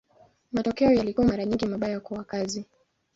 Matokeo yalikuwa mara nyingi mabaya kwa wakazi.